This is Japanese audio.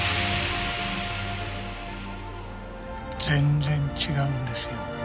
全然違うんですよ。